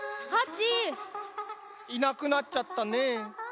ハチ！いなくなっちゃったねえ。